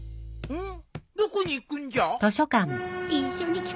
うん？